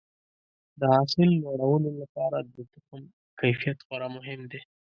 د حاصل لوړولو لپاره د تخم کیفیت خورا مهم دی.